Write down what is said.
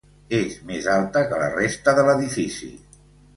És més alta que la resta de l'edifici.